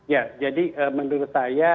ya jadi menurut saya